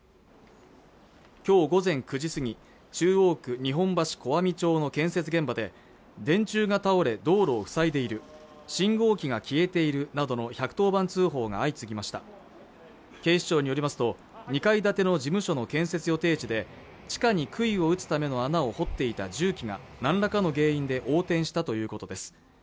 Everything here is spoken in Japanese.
今日午前９時過ぎ中央区日本橋小網町の建設現場で電柱が倒れ道路を塞いでいる信号機が消えているなどの１１０番通報が相次ぎました警視庁によりますと２階建ての事務所の建設予定地で地下に杭を打つための穴を掘っていた重機が何らかの原因で横転したということです